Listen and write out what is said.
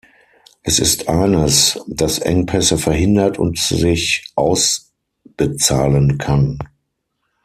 Es ist eines, das Engpässe verhindert und sich ausbezahlen kann.